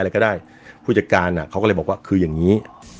อะไรก็ได้ผู้จัดการอ่ะเขาก็เลยบอกว่าคืออย่างนี้